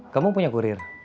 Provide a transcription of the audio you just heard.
kamu punya kurir